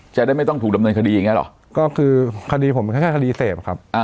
ใช่ครับ